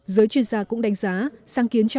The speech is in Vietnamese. giới chuyên gia cũng đánh giá